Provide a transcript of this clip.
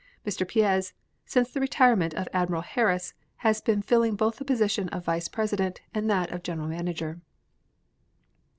Mr. Piez, since the retirement of Admiral Harris, has been filling both the position of Vice President and that of General Manager.